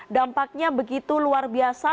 dampaknya begitu luar biasa